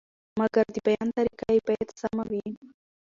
مګر د بیان طریقه یې باید سمه وي.